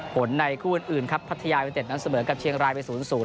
ผลในคุณอื่นครับพัทยาเวียงเต็ดนั้นเสมอกับเชียงรายไปสูญสูญ